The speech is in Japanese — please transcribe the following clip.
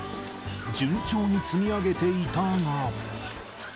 順調に積み上げていたが。